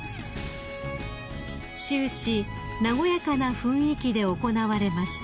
［終始和やかな雰囲気で行われました］